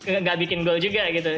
tidak bikin gol juga gitu